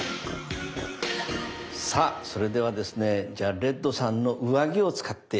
さあそれではですねじゃあレッドさんの上着を使って。